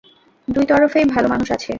দুই তরফেই ভালো মানুষ আছে।